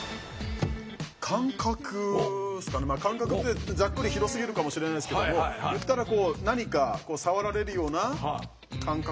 感覚ってざっくり広すぎるかもしれないですけども言ったらこう何か触られるような感覚？